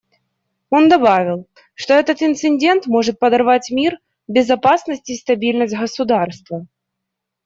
Он добавил, что этот инцидент может подорвать мир, безопасность и стабильность государства.